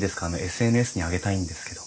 ＳＮＳに上げたいんですけど。